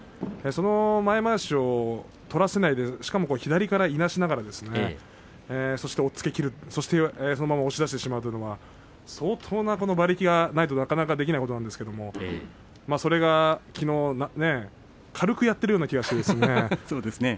その前まわしを取らせないでしかも左からいなしながらそして、押っつけきるそのまま押し出してしまうという相当な馬力がないと、なかなかできないことなんですけれどそれが、きのう軽くやっているような気がしたんです。